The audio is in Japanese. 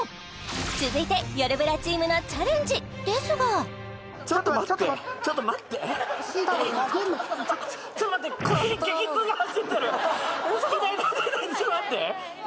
続いてよるブラチームのチャレンジですがちょっと待って痛い痛い